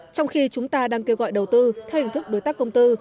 trong khi chúng ta đang kêu gọi đầu tư theo hình thức đối tác công tư